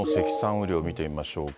雨量見てみましょうか。